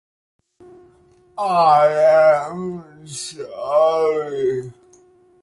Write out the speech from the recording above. I am sorry.